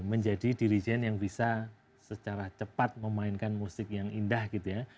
menjadi dirijen yang bisa secara cepat memainkan musik yang indah gitu ya